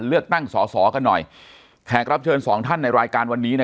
เลือกตั้งสอสอกันหน่อยแขกรับเชิญสองท่านในรายการวันนี้